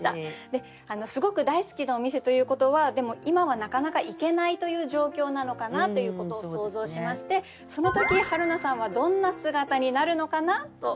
ですごく大好きなお店ということはでも今はなかなか行けないという状況なのかなということを想像しましてその時はるなさんはどんな姿になるのかなと。